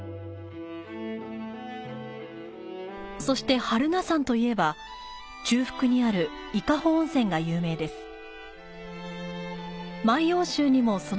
そして榛名山といえば、中腹にある伊香保温泉が有名です。